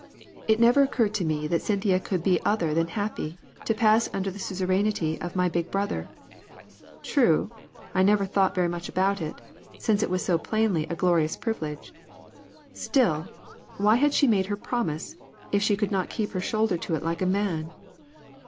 It never occurred to me that Cynthia could be other than happy to pass under the suzerainty of my big brother. True, I never thought very much about it, since it was so plainly a glorious privilege. Still, why had she made her promise, if she could not keep her shoulder to it like a man?